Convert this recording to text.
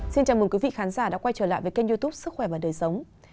chào mừng quý vị đã quay trở lại với kênh youtube sức khỏe và đời sống